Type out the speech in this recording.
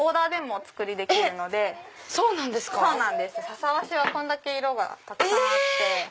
⁉ささ和紙はこれだけ色がたくさんあって。